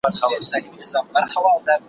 ما مخکي د سبا لپاره د ليکلو تمرين کړی وو،